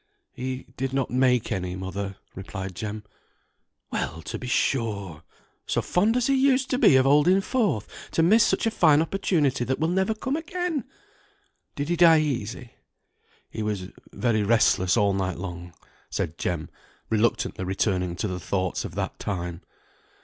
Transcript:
"He did not make any, mother," replied Jem. "Well, to be sure! So fond as he used to be of holding forth, to miss such a fine opportunity that will never come again! Did he die easy?" "He was very restless all night long," said Jem, reluctantly returning to the thoughts of that time.